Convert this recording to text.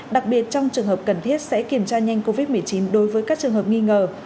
đặc biệt trong trường hợp cần thiết sẽ kiểm tra nhanh covid một mươi chín đối với các trường hợp nghi ngờ